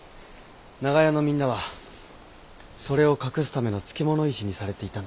長屋のみんなはそれを隠すための漬物石にされていたんだ。